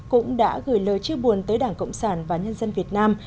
cũng đã gửi lời chia buồn tới đảng cộng sản và nhân dân việt nam